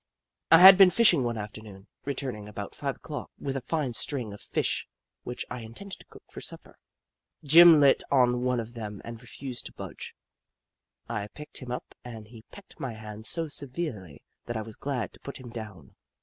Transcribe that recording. I had been fishing one afternoon, returning about five o'clock with a fine string of Fish which I intended to cook for supper. Jim lit on one of them and refused to budge. I picked him up and he pecked my hand so severely that I was glad to put him down.